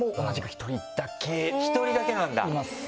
１人だけなんだ！